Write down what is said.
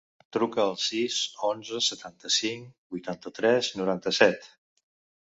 Truca al sis, onze, setanta-cinc, vuitanta-tres, noranta-set.